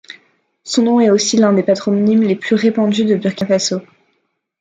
Son nom est aussi l'un des patronymes les plus répandus du Burkina Faso.